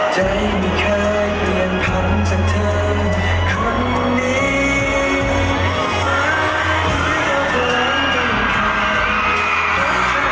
ใจไม่เคยเปลี่ยนคำจากเธอคนนี้